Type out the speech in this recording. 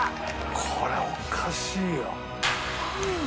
これおかしいよ。